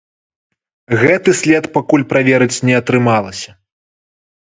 Гэты след пакуль праверыць не атрымалася.